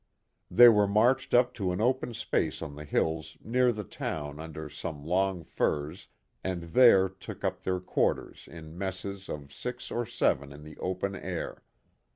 They were marched up to an open space on the hills near the town under some long firs and there took up their quarters in messes of six or seven in the open air.